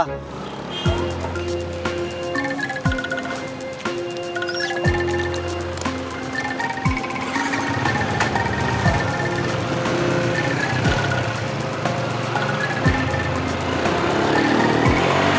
sayang mona sudah menyembunyi